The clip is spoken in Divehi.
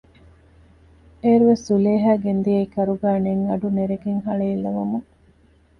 އޭރުވެސް ޒުލޭހާ ގެންދިއައީ ކަރުގައި ނެތް އަޑު ނެރެގެން ހަޅޭއްލަވަމުން